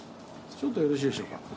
ちょっとよろしいでしょうか。